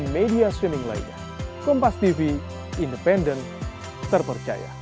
maring lambat dua minggu